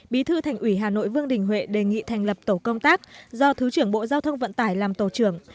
bí thư thành ủy hà nội vương đình huệ đề nghị thành lập tổ công tác do thứ trưởng bộ giao thông vận tải làm tổ trưởng